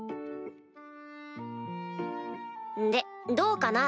でどうかな？